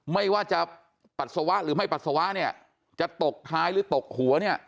ไม่ว่าจะปัสสาวะหรือไม่ปัสสาวะจะตกท้ายหรือตกหัว